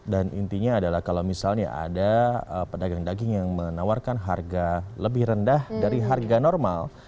dan intinya adalah kalau misalnya ada pedagang daging yang menawarkan harga lebih rendah dari harga normal